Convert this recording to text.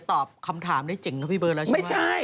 ตอบคำถามได้เจ๋งนะพี่เบิร์ดแล้วใช่ไหม